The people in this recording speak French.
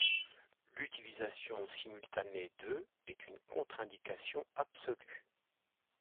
L'utilisation simultanée de est une contre-indication absolue.